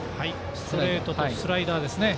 ストレートとスライダー。